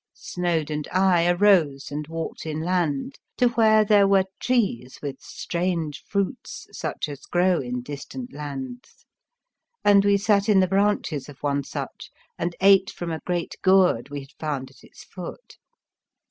Snoad and I arose and walked inland to where there were trees with strange fruits such as grow in distant lands, and we sat in the branches of one such and ate from a great gourd we had found at its foot.